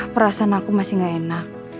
perasaan aku masih gak enak